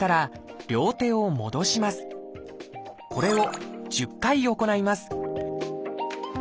これを１０回行います